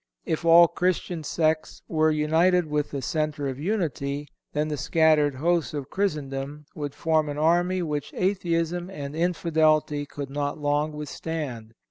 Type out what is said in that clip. If all Christian sects were united with the centre of unity, then the scattered hosts of Christendom would form an army which atheism and infidelity could not long withstand.